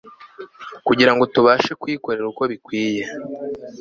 kugira ngo tubashe kuyikorera uko bikwiriye